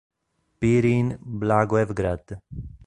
Pirin Blagoevgrad